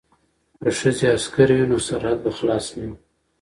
که ښځې عسکرې وي نو سرحد به خلاص نه وي.